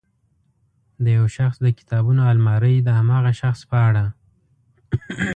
د یو شخص د کتابونو المارۍ د هماغه شخص په اړه.